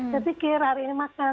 kepikir hari ini makan